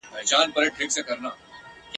کي بديل نه لري ..